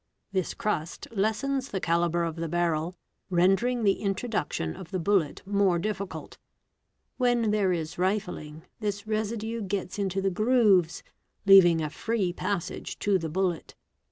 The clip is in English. This crust lessens the calibre of the barrel, rendering the introduction of the bullet more difficult. When there is | "vifling, this residue gets into the grooves, leaving a free passage to the bullet.